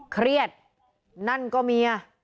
เครียดนั่นก็เมีย